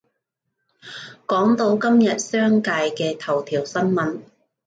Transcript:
講到今日商界嘅頭條新聞